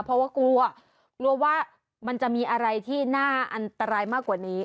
เพราะว่ากลัวกลัวว่ามันจะมีอะไรที่น่าอันตรายมากกว่านี้